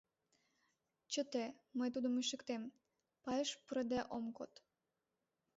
Чыте, мый тудым ишыктем, пайыш пурыде ом код».